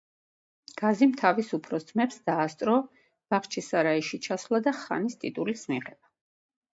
გაზიმ თავის უფროს ძმებს დაასწრო ბახჩისარაიში ჩასვლა და ხანის ტიტულის მიღება.